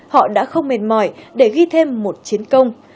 họ đã không mệt mỏi để ghi thêm một chiến công